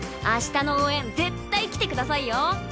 明日の応援絶対来てくださいよ。